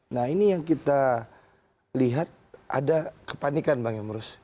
nah ini yang kita lihat ada kepanikan bang emrus